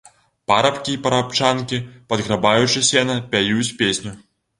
Парабкі і парабчанкі, падграбаючы сена, пяюць песню.